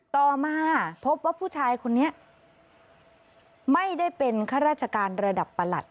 ต่อมาพบว่าผู้ชายคนนี้ไม่ได้เป็นข้าราชการระดับประหลัด